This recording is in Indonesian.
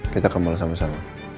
kita ke mall sama sama